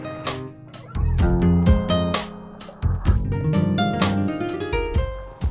gak merupakanng